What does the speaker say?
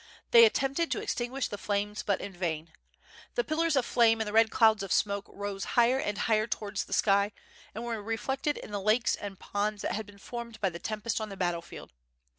They attempted to extinguish the flames, but in vain. WtTB FIRE AND SWORD. 731 The pillars of flame and the red clouds of smoke rose hightr and higlior towards the sky and were reflected in the lakes and ponds that had been formed by the tempest on the battle field.